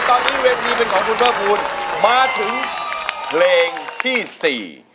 ตอนนี้เวทีเป็นของคุณภาคภูมิมาถึงเพลงที่สี่